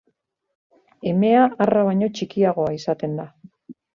Emea arra baino txikiagoa izaten da.